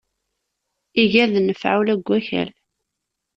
Iga d nnfeɛ ula deg akal.